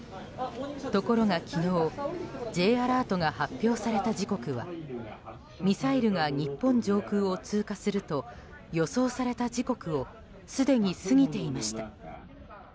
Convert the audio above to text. ところが昨日Ｊアラートが発表された時刻はミサイルが日本上空を通過すると予想された時刻をすでに過ぎていました。